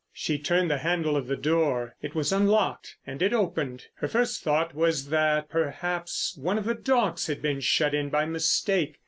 She turned the handle of the door; it was unlocked, and it opened. Her first thought was that perhaps one of the dogs had been shut in by mistake.